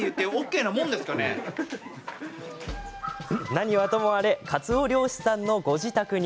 何はともあれかつお漁師さんのご自宅に。